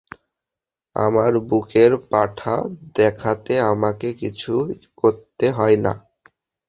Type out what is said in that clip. আমার বুকের পাঠা দেখাতে আমাকে কিছুই করতে হয় না।